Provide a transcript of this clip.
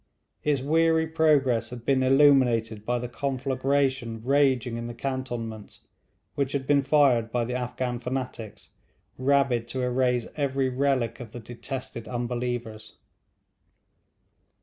Its weary progress had been illuminated by the conflagration raging in the cantonments, which had been fired by the Afghan fanatics, rabid to erase every relic of the detested unbelievers.